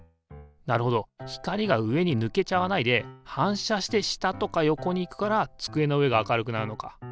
なるほど光が上にぬけちゃわないで反射して下とか横に行くから机の上が明るくなるのか。